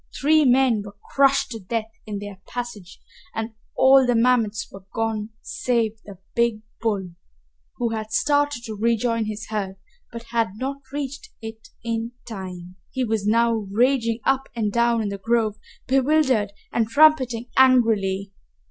Three men were crushed to death in their passage and all the mammoths were gone save the big bull, who had started to rejoin his herd but had not reached it in time. He was now raging up and down in the grove, bewildered and trumpeting angrily.